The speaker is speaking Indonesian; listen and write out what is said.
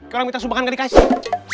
ke orang kita subahan gak dikasih